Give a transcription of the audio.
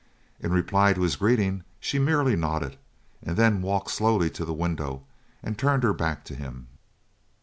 In reply to his greeting she merely nodded, and then walked slowly to the window and turned her back to him.